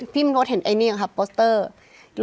พี่มันบอกว่าเห็นไ้นี่อย่างฮะโปสเตอร์ล้อนละโรงไม่เรียก